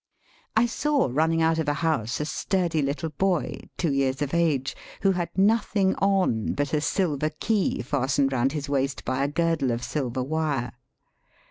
I saw running out of a house a sturdy little boy, two years of age, who had nothing on but a silver key fastened round his waist by a girdle of silver wire.